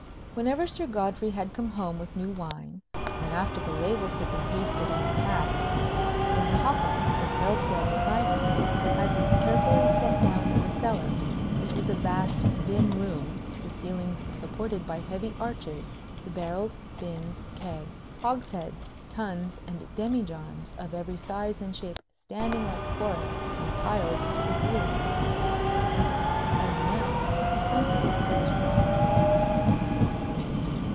Whenever Sir Godfrey had come home with new wine, and after the labels had been pasted on the casks, then Popham, with Whelpdale beside him, had these carefully set down in the cellar, which was a vast dim room, the ceilings supported by heavy arches; the barrels, bins, kegs, hogsheads, tuns, and demijohns of every size and shape standing like forests and piled to the ceiling. And now something was wrong there.